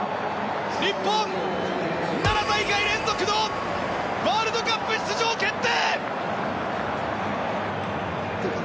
日本、７大会連続のワールドカップ出場決定！